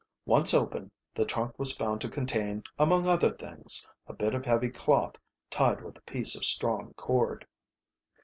Once open the trunk was found to contain, among other things, a bit of heavy cloth tied with a piece of strong cord.